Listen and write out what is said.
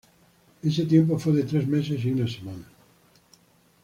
Ese tiempo fue de tres meses y una semana.